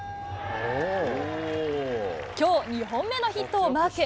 きょう２本目のヒットをマーク。